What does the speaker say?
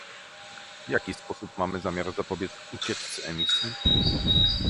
W jaki sposób mamy zamiar zapobiec ucieczce emisji?